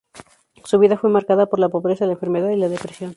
Su vida fue marcada por la pobreza, la enfermedad y la depresión.